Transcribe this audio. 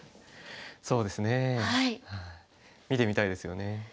そうですね見てみたいですよね。